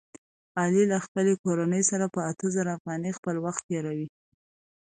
علي له خپلې کورنۍ سره په اته زره افغانۍ خپل وخت تېروي.